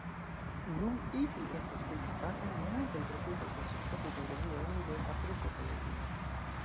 Nun ili estas kultivataj en multaj tropikaj kaj subtropikaj regionoj de Afriko kaj Azio.